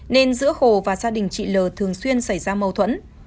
nên giữa hồ và gia đình chị l thường xuyên xảy ra mâu thuẫn